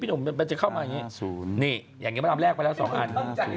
หนุ่มมันจะเข้ามาอย่างนี้นี่อย่างนี้มาทำแลกไปแล้ว๒อัน